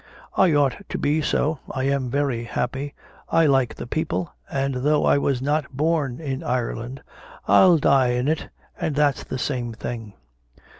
"I ought to be so; I am very happy; I like the people, and, though I was not born in Ireland, I'll die in it and that's the same thing."